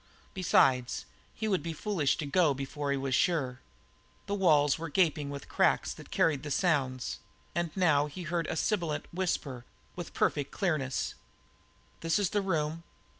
Besides, he would be foolish to go before he was sure. The walls were gaping with cracks that carried the sounds, and now he heard a sibilant whisper with a perfect clearness. "This is the room."